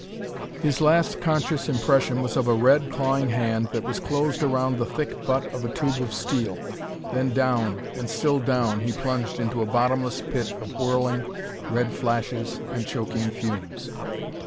His last conscious impression was of a red, clawing hand that was closed around the thick butt of a tube of steel ... then down, and still down, he plunged into a bottomless pit of whirling, red flashes and choking fumes....